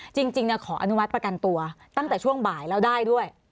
จริงขออนุมัติประกันตัวตั้งแต่ช่วงบ่ายแล้วได้ด้วย